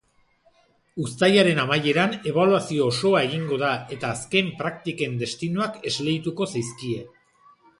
Uztailaren amaieran ebaluazio osoa egingo da eta azken praktiken destinoak esleituko zaizkie.